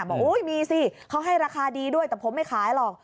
มีสิเขาให้ราคาดีด้วยแต่ผมไม่ขายหรอก